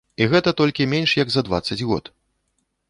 І гэта толькі менш як за дваццаць год!